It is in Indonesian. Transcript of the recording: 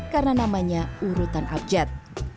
karena namanya urutan abjad